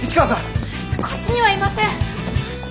こっちにはいません。